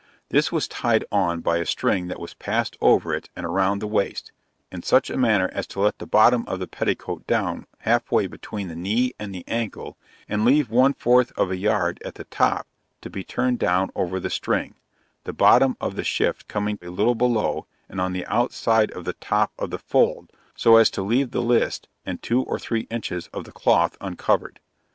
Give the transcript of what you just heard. This was tied on by a string that was passed over it and around the waist, in such a manner as to let the bottom of the petticoat down half way between the knee and ankle and leave one fourth of a yard at the top to be turned down over the string the bottom of the shift coming a little below, and on the outside of the top of the fold so as to leave the list and two or three inches of the cloth uncovered.